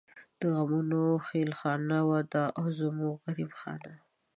د غمونو خېلخانه ده او زمونږ غريب خانه